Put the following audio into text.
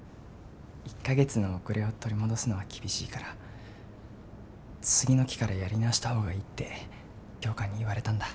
１か月の遅れを取り戻すのは厳しいから次の期からやり直した方がいいって教官に言われたんだ。